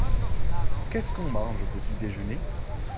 Qu'est-ce qu'on mange au petit-déjeuner ?